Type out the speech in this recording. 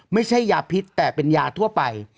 ไม่ใช่ยาพิษแต่เป็นยาทั่วไป